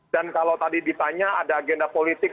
dan kalau tadi ditanya ada agenda politik